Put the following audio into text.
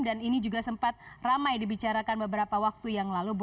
dan ini juga sempat ramai dibicarakan beberapa waktu yang lalu